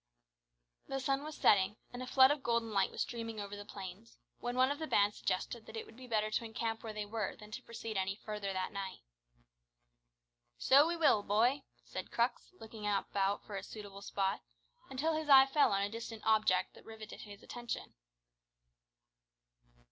The sun was setting, and a flood of golden light was streaming over the plains, when one of the band suggested that it would be better to encamp where they were than to proceed any further that night. "So we will, boy," said Crux, looking about for a suitable spot, until his eye fell on a distant object that riveted his attention.